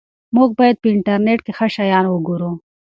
موږ باید په انټرنیټ کې ښه شیان وګورو.